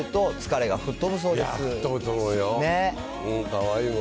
かわいい。